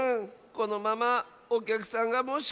このままおきゃくさんがもしこなかったら。